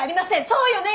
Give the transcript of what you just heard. そうよね？